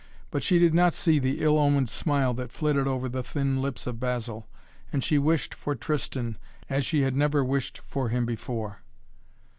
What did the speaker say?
But she did not see the ill omened smile that flitted over the thin lips of Basil, and she wished for Tristan as she had never wished for him before.